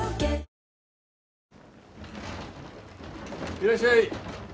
・いらっしゃい。